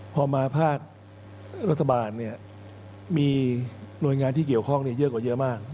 พอมาภาครัฐบาลมีหน่วยงานที่เกี่ยวข้องเยอะกว่าเยอะมาก